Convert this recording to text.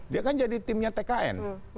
dia kan jadi timnya tkn